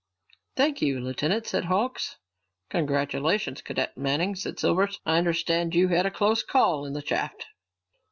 "Thank you, Lieutenant," said Hawks. "Congratulations, Cadet Manning," said Silvers. "I understand you had a close call in the shaft."